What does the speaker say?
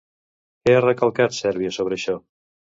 Què ha recalcat Sèrbia sobre això?